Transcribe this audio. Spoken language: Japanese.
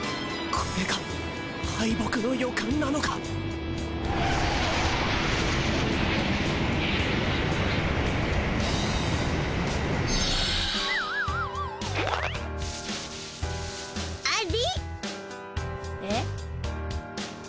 これが敗北の予感なのかあれっえ？